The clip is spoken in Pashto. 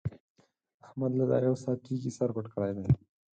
احمد له دا يو ساعت کېږي سر پټ کړی دی.